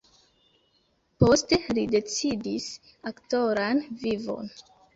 Poste li decidis aktoran vivon.